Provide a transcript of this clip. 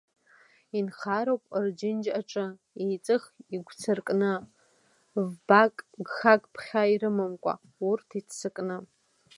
Инхароуп рџьынџь аҿы, еиҵых игәцракны, вбак, гхак ԥхьа ирымамкәа, урҭ иццакны.